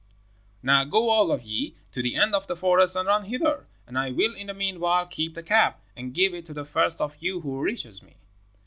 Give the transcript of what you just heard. "'Now go all of ye to the end of the forest and run hither, and I will in the meanwhile keep the cap, and give it to the first of you who reaches me.'